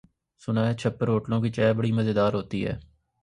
سنا ہے چھپر ہوٹلوں کی چائے بڑی مزیدار ہوتی ہے۔